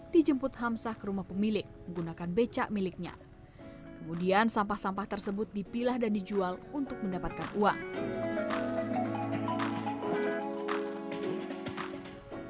dijemput hamsah ke rumah pemilik menggunakan becak miliknya kemudian sampah sampah tersebut dipilah dan dijual untuk mendapatkan uang